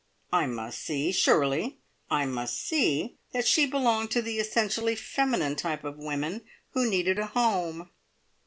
I must see surely I must see that she belonged to the essentially feminine type of women who needed a home!